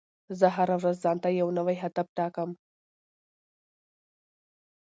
زه هره ورځ ځان ته یو نوی هدف ټاکم.